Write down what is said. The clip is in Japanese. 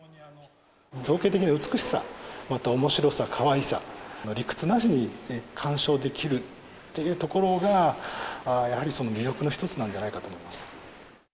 造形的な美しさ、またおもしろさ、かわいさ、理屈なしに鑑賞できるっていうところが、やはり魅力の一つなんじゃないかと思います。